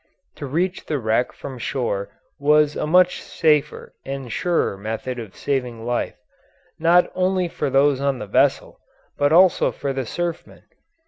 To reach the wreck from shore was a much safer and surer method of saving life, not only for those on the vessel, but also for the surfmen.